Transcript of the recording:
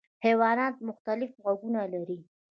حیوانات مختلف غږونه لري.